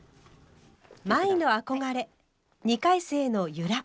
舞の憧れ２回生の由良。